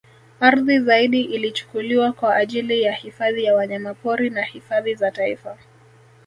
Ardhi zaidi ilichukuliwa kwa ajili ya hifadhi ya wanyamapori na hifadhi za taifa